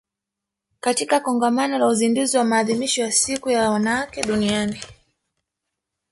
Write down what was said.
katika Kongamano la Uzinduzi wa Maadhimisho ya Siku ya Wanawake Duniani